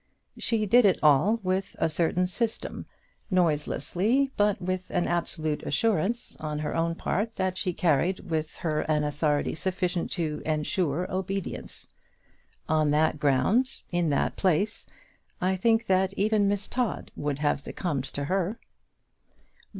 She did it all with a certain system, noiselessly, but with an absolute assurance on her own part that she carried with her an authority sufficient to ensure obedience. On that ground, in that place, I think that even Miss Todd would have succumbed to her.